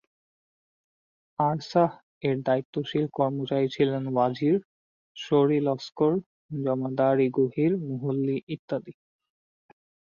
আরসাহ এর দায়িত্বশীল কর্মচারী ছিলেন ওয়াজির, শর-ই-লস্কর, জমাদার-ই-গহির মুহল্লী ইত্যাদি।